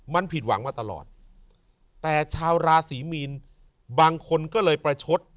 มันผิดหวังมาตลอดแต่ชาวราศรีมีนบางคนก็เลยประชด